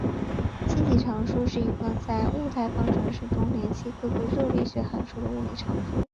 气体常数是一个在物态方程式中连系各个热力学函数的物理常数。